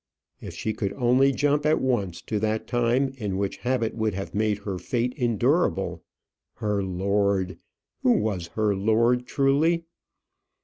If she could only jump at once to that time in which habit would have made her fate endurable! Her lord! Who was her lord truly?